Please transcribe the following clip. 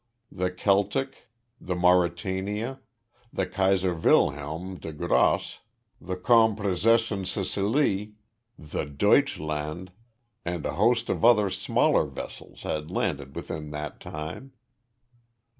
The Celtic, the Mauretania, the Kaiser Wilhelm der Grosse, the Kronprinzessin Cecelie, the Deutschland and a host of other smaller vessels had landed within that time.